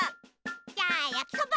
じゃあやきそば！